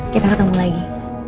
kita ketemu lagi